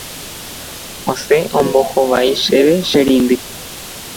Osẽ ombohovái chéve che reindy